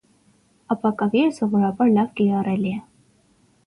Աբակավիրը սովորաբար լավ կիրառելի է։